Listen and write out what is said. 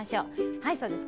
はいそうです。